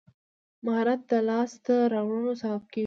مهارت د لاسته راوړنو سبب کېږي.